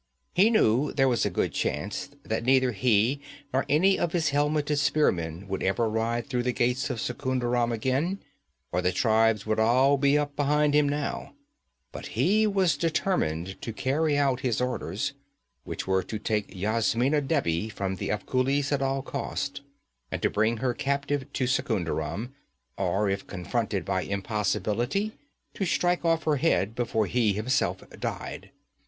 He knew there was a good chance that neither he nor any of his helmeted spearmen would ever ride through the gates of Secunderam again, for the tribes would all be up behind him now, but he was determined to carry out his orders which were to take Yasmina Devi from the Afghulis at all costs, and to bring her captive to Secunderam, or if confronted by impossibility, to strike off her head before he himself died.